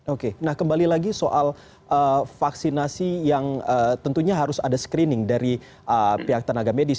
oke nah kembali lagi soal vaksinasi yang tentunya harus ada screening dari pihak tenaga medis